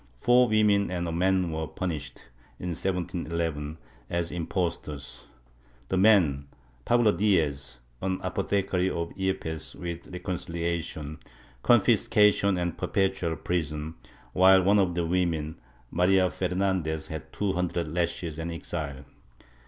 71), four women and a man were punished, in 1711, as impostors, the man, Pablo Diez, an apothecary of Yepes, with reconciliation, con fiscation and perpetual prison, while one of the women, Maria Fernandez, had two hundred lashes and exile.